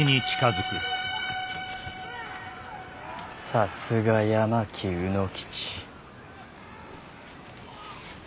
さすが八巻卯之吉。